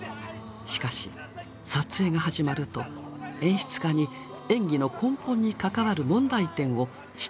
しかし撮影が始まると演出家に演技の根本に関わる問題点を指摘されてしまいます。